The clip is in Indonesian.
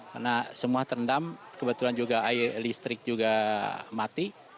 karena semua terendam kebetulan juga air listrik juga mati